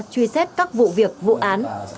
truy xét các vụ việc vụ án